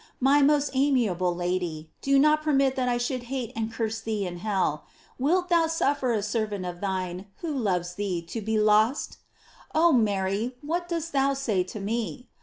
My most amiable Lady, do not permit that I should hate and curse thee in hell. Wilt thou suffer a servant of thine who loves thee to be lost ? Oh Mary, what dost thou say to me